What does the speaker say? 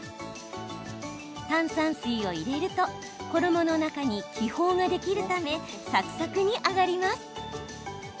炭酸水を入れると衣の中に気泡ができるためサクサクに揚がります。